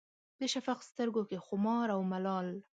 د شفق سترګو کې خمار او ملال